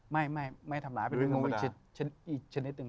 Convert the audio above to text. ไม่ไม่ไม่ทำร้ายเป็นงูอีกชนิดหนึ่ง